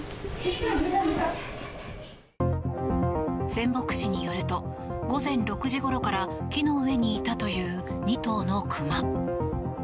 仙北市によると午前６時ごろから木の上にいたという２頭のクマ。